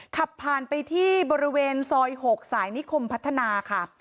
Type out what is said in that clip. ขับผ่านไปที่บริเวณซอย๖สายนิคมพัฒนาค่ะ